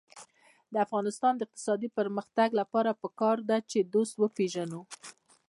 د افغانستان د اقتصادي پرمختګ لپاره پکار ده چې دوست وپېژنو.